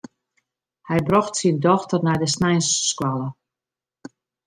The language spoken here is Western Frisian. Hy brocht syn dochter nei de sneinsskoalle.